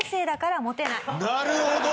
なるほど。